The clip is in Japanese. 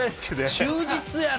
忠実やな。